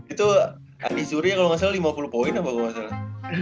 itu adi zuri kalo gak salah lima puluh poin apa gue gak salah